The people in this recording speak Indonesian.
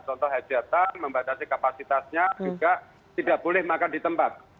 contoh hajatan membatasi kapasitasnya juga tidak boleh makan di tempat